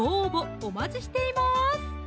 お待ちしています